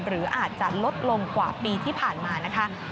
หรืออาจจะลดลงกว่าปีที่ผ่านมานะคะ